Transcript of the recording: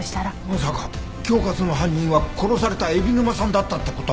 まさか恐喝の犯人は殺された海老沼さんだったって事？